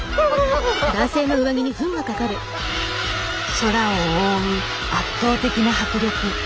空を覆う圧倒的な迫力。